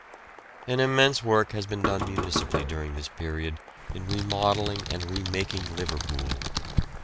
An immense work has been done municipally during this period in re modelling and re making Liverpool.